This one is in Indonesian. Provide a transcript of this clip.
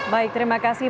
baik terima kasih